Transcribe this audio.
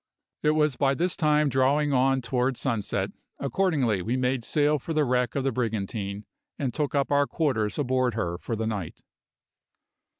It was by this time drawing on toward sunset; accordingly we made sail for the wreck of the brigantine, and took up our quarters aboard her for the night.